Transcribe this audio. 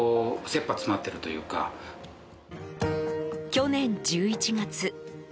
去年１１月。